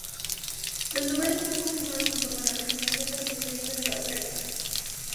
Los lugares serán confirmados junto con la presentación de los expedientes de la oferta.